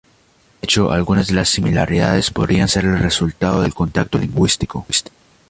De hecho algunas de las similaridades podrían ser el resultado del contacto lingüístico.